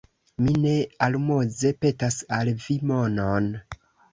Mi ne almoze petas al vi monon!